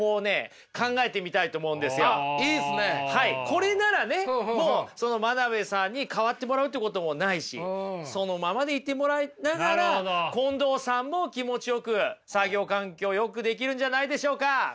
これならねもう真鍋さんに変わってもらうってこともないしそのままでいてもらいながら近藤さんも気持ちよく作業環境をよくできるんじゃないでしょうか。